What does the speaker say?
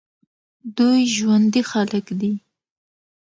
دوی ژوندي خلک دي.